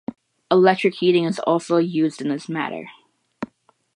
Electric heating is also used in this manner.